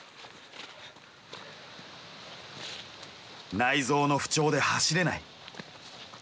内臓の不調で走れない。